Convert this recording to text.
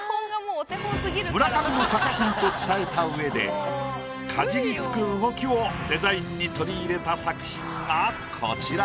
村上の作品と伝えたうえでかじりつく動きをデザインに取り入れた作品がこちら。